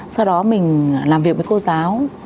sau đó mình làm việc với cô giáo